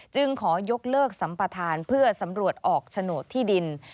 ขอยกเลิกสัมปทานเพื่อสำรวจออกโฉนดที่ดิน